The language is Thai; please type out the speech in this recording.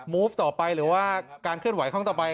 ูฟต่อไปหรือว่าการเคลื่อนไหวครั้งต่อไป